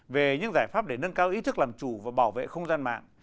về những giải pháp để nâng cao ý thức làm chủ và bảo vệ không gian mạng